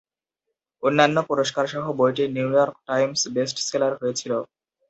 অন্যান্য পুরস্কারসহ বইটি নিউইয়র্ক টাইমস বেস্ট সেলার হয়েছিল।